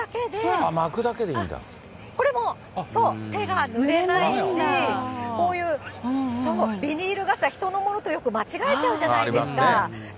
そう、これも手がぬれないし、こういうビニール傘、人のものとよく間違えちゃうじゃないですか。